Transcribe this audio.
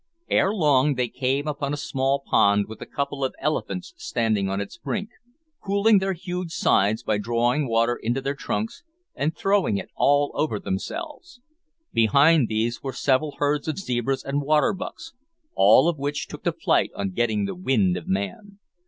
Ere long they came upon a small pond with a couple of elephants standing on its brink, cooling their huge sides by drawing water into their trunks and throwing it all over themselves. Behind these were several herds of zebras and waterbucks, all of which took to flight on "getting the wind" of man.